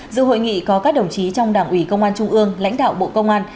dự hội nghị có các đồng chí trong đảng ủy công an trung ương lãnh đạo bộ công an